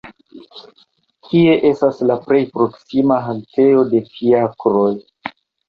Kie estas la plej proksima haltejo de fiakroj!